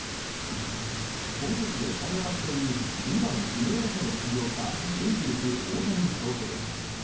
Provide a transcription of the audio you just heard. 本拠地でタイガース戦に２番指名打者で出場したエンゼルス、大谷翔平。